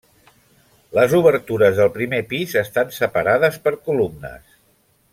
Les obertures del primer pis estan separades per columnes.